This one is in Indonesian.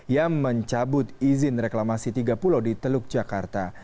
yang mencabut izin reklamasi tiga pulau di teluk jakarta